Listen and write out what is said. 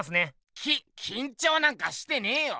ききんちょうなんかしてねえよ。